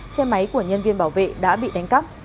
xe máy của nhân viên bảo vệ đã bị đánh cắp